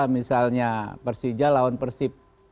misalnya persija lawan persib